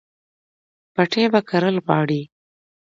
پټی به کرل غواړي